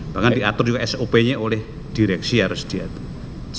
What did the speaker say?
bahkan diatur juga sop nya oleh direksi harus diatur